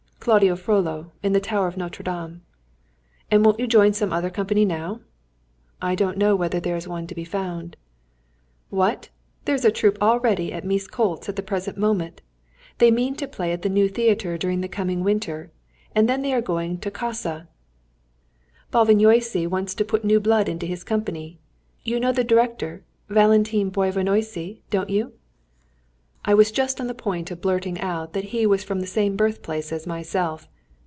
"Claude Frolló in the Tower of Notre Dame." "And won't you join some other company now?" "I don't know whether there is one to be found." "What! There is a troupe all ready at Miskolcz at the present moment. They mean to play at the new theatre during the coming winter, and then they are going to Kassa. Bálványossi wants to put new blood into his company. You know the director, Valentine Bálványossi, don't you?" I was just on the point of blurting out that he was from the same birthplace as myself.